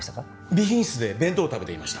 備品室で弁当を食べていました。